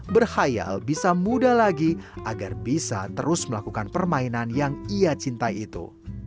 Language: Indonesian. berhayal bisa muda lagi agar bisa terus melakukan permainan yang ia cintai itu